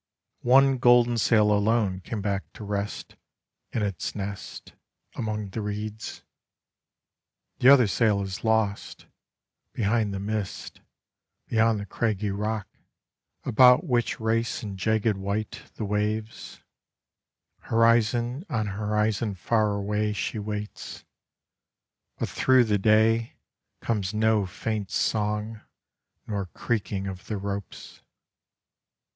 One golden sail alone came back to rest In its nest Among the reeds. The other sail is lost; Behind the mist, Beyond the craggy rock, About which race in jagged white The waves, Horizon on horizon far away She waits. But through the day, Comes no faint song, nor creaking of the ropes.